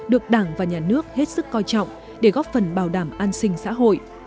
được đảng và nhà nước hết sức coi trọng để góp phần bảo đảm an sinh xã hội